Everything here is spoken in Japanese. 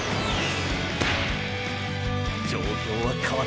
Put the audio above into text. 状況は変わった。